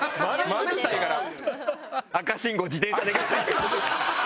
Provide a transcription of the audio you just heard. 赤信号自転車で。